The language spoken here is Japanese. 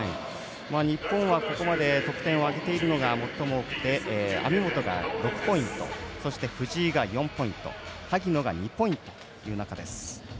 日本は、ここまで得点を挙げているのが最も多くて網本が６ポイントそして藤井が４ポイント萩野が２ポイントです。